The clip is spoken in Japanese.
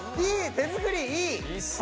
手作りいい！